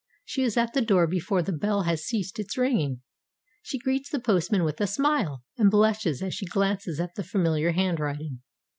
She is at the door before the bell has ceased its ringing. She greets the postman with a smile, and blushes as she glances at the familiar handwriting.